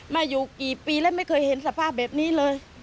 มาอยู่กี่ปีแล้วไม่เคยเห็นสภาพแบบนี้เลย